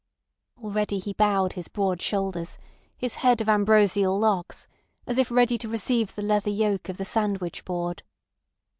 Already he bowed his broad shoulders, his head of ambrosial locks, as if ready to receive the leather yoke of the sandwich board.